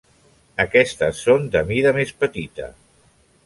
Aquestes són de mida més petita.